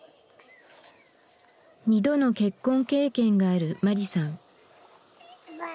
２度の結婚経験があるマリさん。